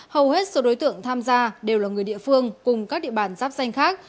hầu hết số đối tượng tham gia đều là người địa phương cùng các địa bàn giáp danh khác